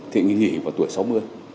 thì nghỉ vào tuổi sáu mươi